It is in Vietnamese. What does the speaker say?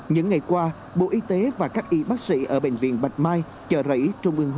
những ngày qua bộ y tế và các y bác sĩ ở bệnh viện bạch mai chợ rẫy trung ương